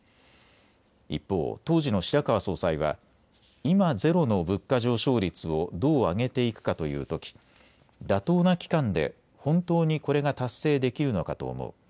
一方、当時の白川総裁は、今ゼロの物価上昇率をどう上げていくかというとき妥当な期間で本当にこれが達成できるのかと思う。